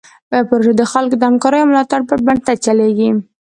پروژه د خلکو د همکاریو او ملاتړ پر بنسټ چلیږي.